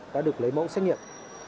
được lấy mẫu xét nghiệm